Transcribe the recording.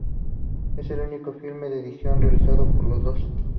Es el único filme de ficción realizado por los dos.